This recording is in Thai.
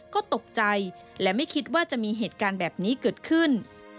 ก็ตกใจและไม่คิดว่าจะมีเหตุการณ์แบบนี้เกิดขึ้น